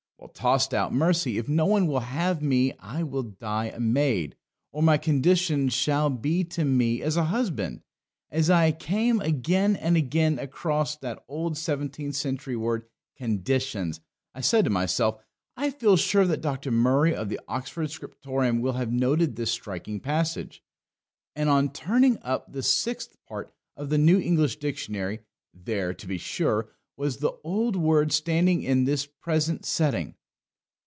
Well, tossed out Mercy, if nobody will have me I will die a maid, or my conditions shall be to me as a husband! As I came again and again across that old seventeenth century word "conditions," I said to myself, I feel sure that Dr. Murray of the Oxford Scriptorium will have noted this striking passage. And on turning up the Sixth Part of the New English Dictionary, there, to be sure, was the old word standing in this present setting.